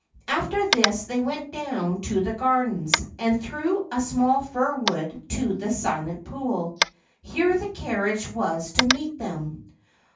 After this they went down to the gardens, and through a small fir wood, to the Silent Pool. Here the carriage was to meet them.